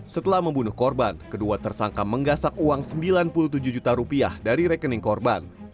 setelah membunuh korban kedua tersangka menggasak uang sembilan puluh tujuh juta rupiah dari rekening korban